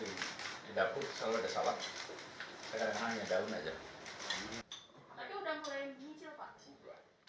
setelah makan siang anies berjelang menjelang bahwa hidangan makan siangnya masih diperlukan di rumah jadi anies mengatakan menu favorit selama di balai kauta harus disediakan di ruang kerjanya